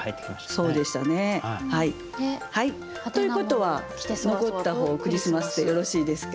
そうでしたね。ということは残った方が「クリスマス」でよろしいですか？